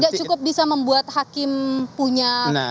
tidak cukup bisa membuat hakim punya